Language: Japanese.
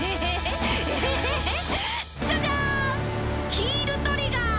ヒールトリガー！